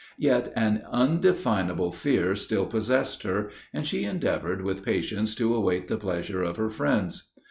Yet an undefinable fear still possessed her, and she endeavored with patience to await the pleasure of her friends.